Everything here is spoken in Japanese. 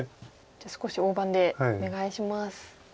じゃあ少し大盤でお願いします。